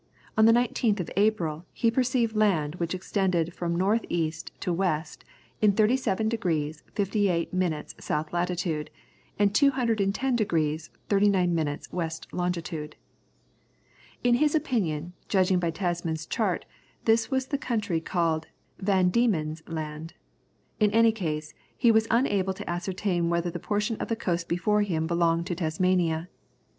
On the 19th of April, he perceived land which extended from north east to west, in 37 degrees 58 minutes S. Lat. and 210 degrees 39 minutes W. Long. In his opinion, judging by Tasman's chart, this was the country called Van Diemen's Land. In any case, he was unable to ascertain whether the portion of the coast before him belonged to Tasmania.